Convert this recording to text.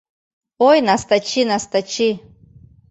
Ой, Настачи, Настачи